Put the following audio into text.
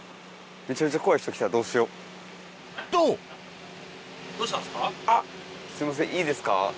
とあっすいませんいいですか？